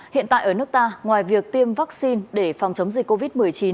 hiện tại ở nước ta ngoài việc tiêm vaccine để phòng chống dịch covid một mươi chín